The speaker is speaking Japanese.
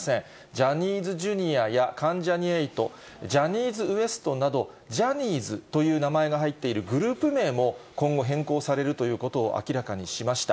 ジャニーズＪｒ．や関ジャニ∞、ジャニーズＷＥＳＴなど、ジャニーズという名前が入っているグループ名も、今後、変更されるということを明らかにしました。